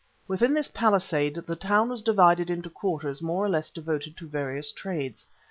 Within this palisade the town was divided into quarters more or less devoted to various trades.